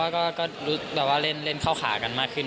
ผมว่าก็รู้ว่าเล่นเข้าขากันมากขึ้น